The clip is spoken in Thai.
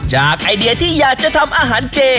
ไอเดียที่อยากจะทำอาหารเจ